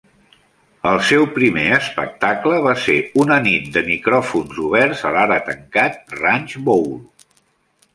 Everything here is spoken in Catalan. El seu primer espectacle va ser una nit de micròfons oberts a l'ara tancat Ranch Bowl.